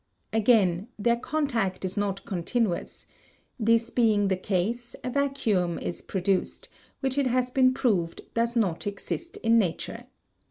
Again, their contact is not continuous; this being the case a vacuum is produced, which it has been proved does not exist in nature.